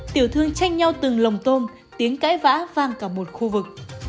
tiểu thương tranh nhau từng lồng tôm tiếng cãi vã vang cả một khu vực